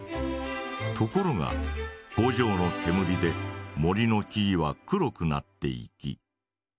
ところが工場のけむりで森の木々は黒くなっていき。